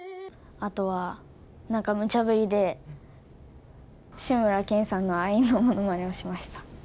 あとはなんかむちゃぶりで、志村けんさんのアイーンのものまねをしました。